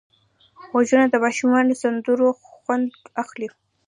غوږونه د ماشومو سندرو خوند اخلي